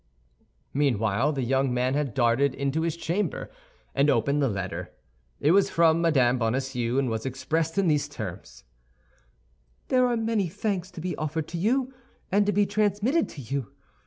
Meanwhile, the young man had darted in to his chamber, and opened the letter. It was from Mme. Bonacieux, and was expressed in these terms: "There are many thanks to be offered to you, and to be transmitted to you.